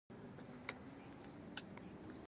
د انرژۍ پروژې جنجالي هم دي.